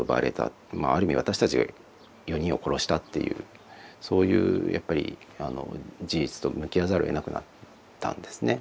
ある意味私たちが４人を殺したっていうそういうやっぱり事実と向き合わざるをえなくなったんですね。